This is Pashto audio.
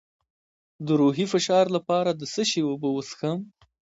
د روحي فشار لپاره د څه شي اوبه وڅښم؟